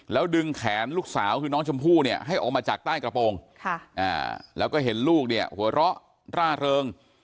แล้วดึงแขนลูกสาวคือน้องชมพู่เนี่ยให้ออกมาจากใต้กระโปรงแล้วก็เห็นลูกเนี่ยหัวเราะร่าเริง